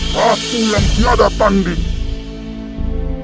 ratu yang tiada tanding